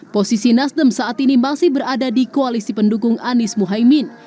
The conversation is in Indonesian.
posisi nasdem saat ini masih berada di koalisi pendukung anies muhaymin